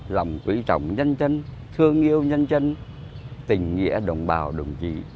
lòng quý trọng nhân dân thương yêu nhân dân tình nghĩa đồng bào đồng chí